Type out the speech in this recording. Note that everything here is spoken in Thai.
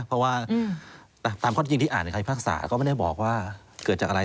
เพราะว่าตามข้อจริงที่อ่านในคำพิพากษาก็ไม่ได้บอกว่าเกิดจากอะไร